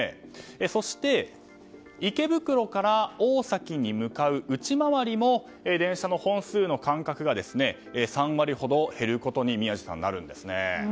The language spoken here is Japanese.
そして池袋から大崎に向かう内回りも、電車の本数の間隔が３割ほど減ることになるんですね。